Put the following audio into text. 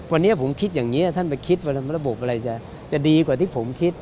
วันนี้ผมคิดอย่างนี้ท่านไปคิดว่าระบบอะไรจะดีกว่าที่ผมคิด